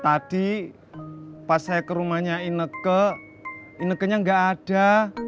tadi pas saya ke rumahnya ineke inekenya nggak ada